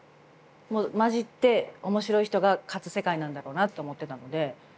もう交じって面白い人が勝つ世界なんだろうなと思ってたので。